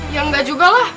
ya enggak juga lah